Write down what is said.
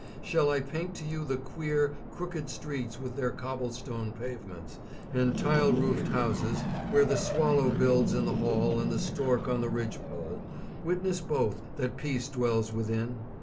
Shall I paint to you the queer, crooked streets with their cobblestone pavements and tile roofed houses where the swallow builds in the hall and the stork on the ridge pole, witness both that peace dwells within?